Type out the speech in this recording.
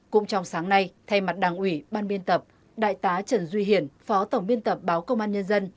cũng trong sáng nay thay mặt đảng ủy ban biên tập đại tá trần duy hiển phó tổng biên tập báo công an nhân dân